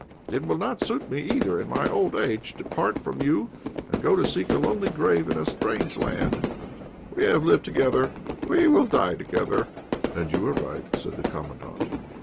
It will not suit me either in my old age to part from you and go to seek a lonely grave in a strange land. We have lived together; we will die together." "And you are right," said the Commandant.